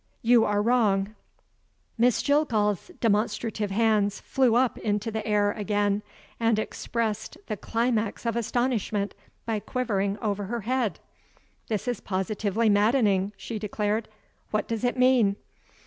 "You are wrong." Miss Jillgall's demonstrative hands flew up into the air again, and expressed the climax of astonishment by quivering over her head. "This is positively maddening," she declared. "What does it mean?"